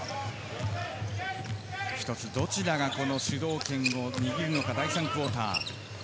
どちらが主導権を握るのか、第３クオーター。